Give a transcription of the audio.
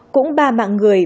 cũng ba mạng người